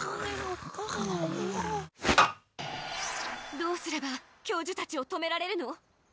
どうすれば教授たちをとめられるの？